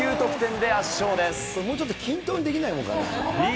これもうちょっと均等にできないのかね。